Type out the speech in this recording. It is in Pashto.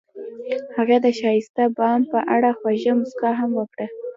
هغې د ښایسته بام په اړه خوږه موسکا هم وکړه.